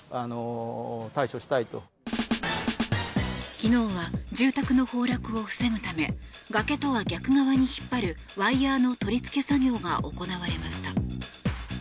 昨日は住宅の崩落を防ぐため崖とは逆側に引っ張るワイヤの取り付け作業が行われました。